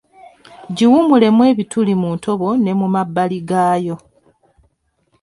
Giwumulemu ebituli mu ntobo ne mu mabbali gayo